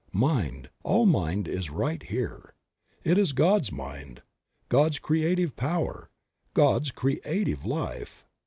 Mind, all Mind is right here. It is God's Mind, God's creative Power, God's creative Life.